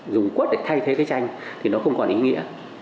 dùng quất để thay thế cái tranh thì nó không còn ý nghĩa